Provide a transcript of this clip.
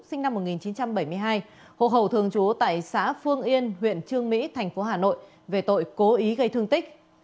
sinh năm một nghìn chín trăm bảy mươi hai hộ khẩu thường trú tại xã phương yên huyện trương mỹ thành phố hà nội về tội cố ý gây thương tích